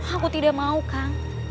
aku tidak mau kak